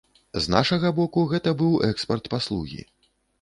З нашага боку, гэта быў экспарт паслугі.